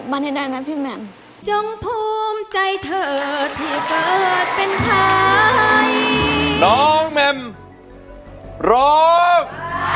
สวัสดีครับ